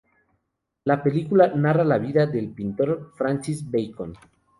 La película narra la vida del pintor Francis Bacon.